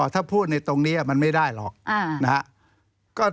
ถ้าพูดในตรงนี้มันไม่ได้หรอกนะครับ